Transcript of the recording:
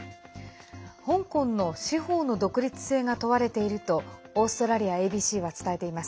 香港の司法の独立性が問われているとオーストラリアＡＢＣは伝えています。